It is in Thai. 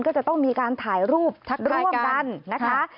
ก็จะต้องมีการถ่ายรูปร่วมกันนะคะ